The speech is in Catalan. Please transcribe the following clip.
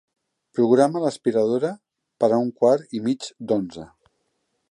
Programa l'aspiradora per a un quart i mig d'onze.